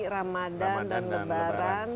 ramadhan dan lebaran